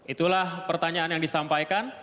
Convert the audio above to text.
itulah pertanyaan yang disampaikan